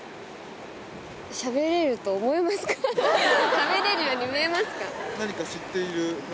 しゃべれるように見えますか？